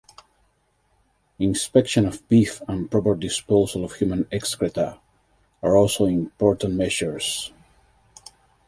Inspection of beef and proper disposal of human excreta are also important measures.